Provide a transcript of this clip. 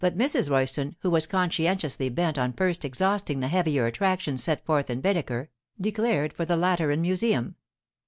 But Mrs. Royston, who was conscientiously bent on first exhausting the heavier attractions set forth in Baedeker, declared for the Lateran museum.